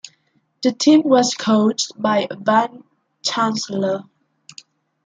The team was coached by Van Chancellor.